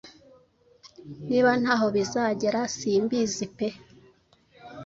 Niba ntaho bizagera simbizi pe